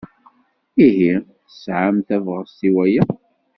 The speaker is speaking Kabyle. Ihi tesɛam tabɣest i waya?